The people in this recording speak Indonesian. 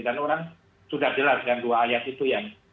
dan orang sudah jelas yang dua ayat itu yang